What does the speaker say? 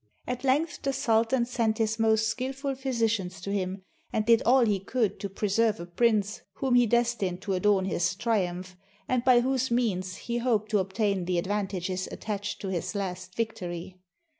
At length the sultan sent his most skillful physicians to him, and did all he could to preserve a prince whom he destined to adorn his triumph, and by whose means he hoped to obtain the advantages attached to his last victory.